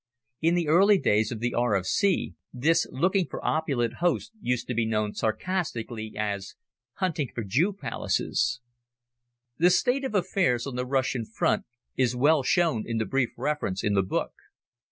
In the early days of the R.F.C. this looking for opulent hosts used to be known sarcastically as "hunting for Jew palaces." The state of affairs on the Russian front is well shown in the brief reference in the book.